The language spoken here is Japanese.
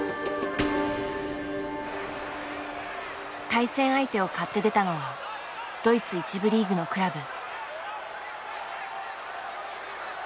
対戦相手を買って出たのはドイツ１部リーグのクラブ。